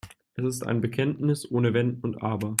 Es ist ein Bekenntnis ohne Wenn und Aber.